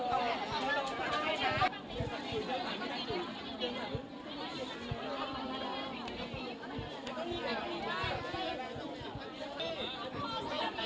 ติดต่อด้วยค่ะ